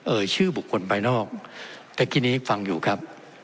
ชื่อบุคคลภายนอกตะกี้นี้ฟังอยู่ครับ